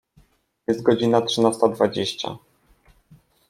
Jest godzina trzynasta dwadzieścia.